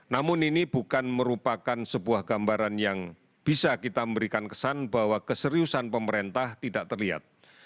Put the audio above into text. namun ini bukan merupakan sebuah gambaran yang bisa kita memberikan kesan bahwa keseriusan pemerintah tidak terlihat